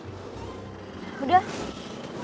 nggak ada apa apa